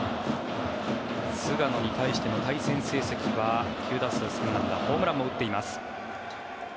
菅野に対しての対戦成績は９打数３安打ホームランも打っています。